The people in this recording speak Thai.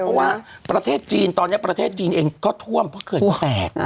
เพราะว่าประเทศจีนตอนนี้ประเทศจีนเองก็ท่วมเพราะเขื่อนแตก